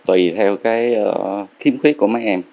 tùy theo cái khiếm khuyết của mấy em